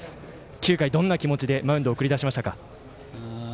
９回どんな気持ちでマウンドに送り出しましたか。